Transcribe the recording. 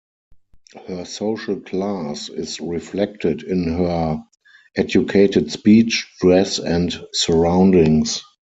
Her social class is reflected in her "educated speech, dress, and surroundings".